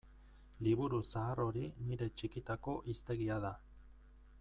Liburu zahar hori nire txikitako hiztegia da.